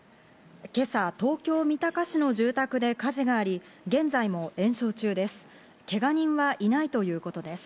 今朝、東京・三鷹市の住宅で火事があり、現在も延焼中です。